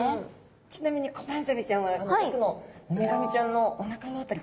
ちなみにコバンザメちゃんはあの奥のウミガメちゃんのおなかの辺りくっついてますね。